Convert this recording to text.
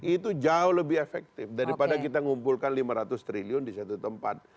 itu jauh lebih efektif daripada kita ngumpulkan lima ratus triliun di satu tempat